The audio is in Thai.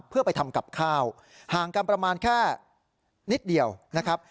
เพื่อไปทำกับข้าวห่างกันประมาณแค่นิดเดียวนะครับ